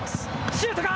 シュートか。